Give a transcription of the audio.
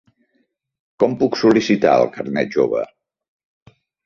Com puc sol·licitar el carnet jove?